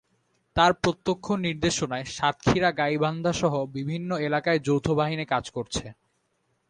তাঁর প্রত্যক্ষ নির্দেশনায় সাতক্ষীরা, গাইবান্ধাসহ বিভিন্ন এলাকায় যৌথ বাহিনী কাজ করছে।